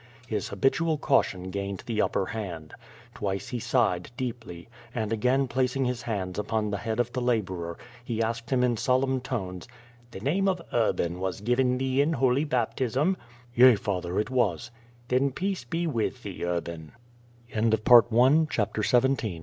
His habitual caution gained the upper hand. Twice he sighed deeply, and again placing his hands upon the Iiead of the laborer, he asked him in solemn tones: "The name of Urban was given thee in holy baptism?" "Yea, father, it was." "Then peace be with thee. Urban." 142 QUO VADI8. CHAPTER XVIII.